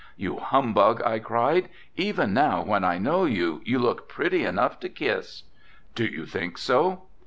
"You humbug," I cried, "Even now when I know, you, you look pretty enough to kiss." "Do you think so?"